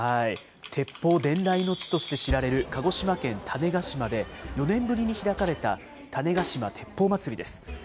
鉄砲伝来の地として知られる鹿児島県種子島で、４年ぶりに開かれた種子島鉄砲まつりです。